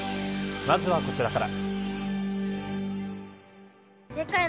まずはこちらから。